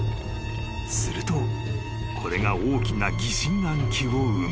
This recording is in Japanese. ［するとこれが大きな疑心暗鬼を生む］